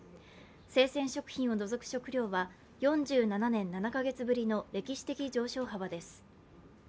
生鮮食品を除く食料は４７年７か月ぶりの歴史的上昇幅です